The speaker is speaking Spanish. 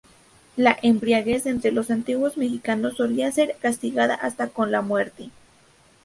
La embriaguez entre los antiguos mexicanos solía ser castigada hasta con la muerte.